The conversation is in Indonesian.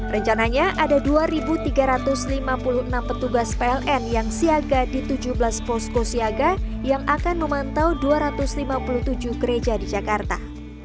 rencananya ada dua tiga ratus lima puluh enam petugas pln yang siaga di tujuh belas posko siaga yang akan memantau dua ratus lima puluh tujuh gereja di jakarta